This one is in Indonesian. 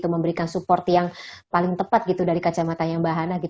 memberikan support yang paling tepat dari kacamata mbak hana